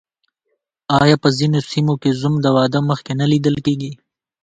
آیا په ځینو سیمو کې زوم د واده مخکې نه لیدل کیږي؟